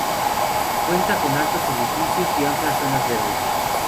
Cuenta con altos edificios y amplias zonas verdes.